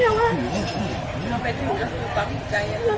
แล้วชวนกัน